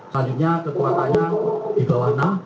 tadinya kekuatannya di bawah enam